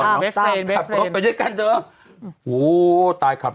น้ำเขาเจ็บมาเยอะ